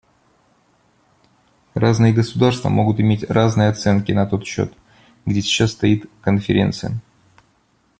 Разные государства могут иметь разные оценки на тот счет, где сейчас стоит Конференция.